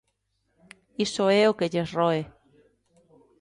Iso é o que lles roe.